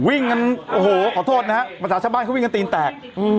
วิ่งกันขอโทษนะครับบรรทาเชฟบ้านเขาวิ่งกับตีนแตก